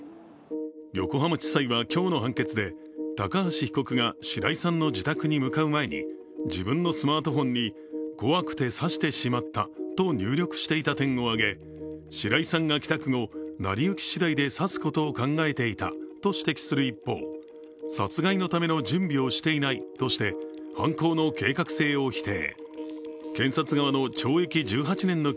横浜地裁は今日の判決で高橋被告が白井さんの自宅に向かう前に自分のスマートフォンに怖くて刺してしまったと入力していた点を挙げ、白井さんが帰宅後、成り行きしだいで刺すことを考えていたと指摘する一方殺害のための準備をしていないとして犯行の計画性を否定。